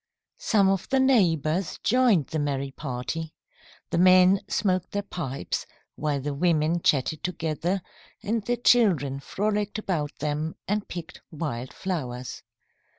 Some of the neighbours joined the merry party. The men smoked their pipes, while the women chatted together and the children frolicked about them and picked wild flowers.